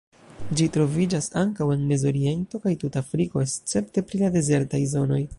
Ĝi troviĝas ankaŭ en Mezoriento kaj tuta Afriko, escepte pri la dezertaj zonoj.